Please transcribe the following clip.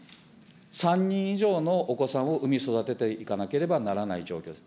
３人以上のお子さんを産み育てていかなければならない状況です。